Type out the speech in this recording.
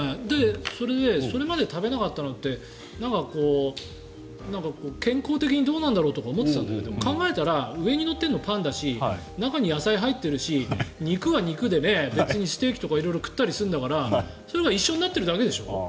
それでそれまで食べなかったのって健康的にどうなんだろうとか思っていたんだけど考えたら上に乗ってるのパンだし中に野菜入ってるし肉は肉で別にステーキとか食ったりするんだからそれが一緒になっているだけでしょ